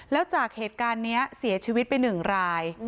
แล้วจากเหตุการณ์นี้เสียชีวิตไป๑ราย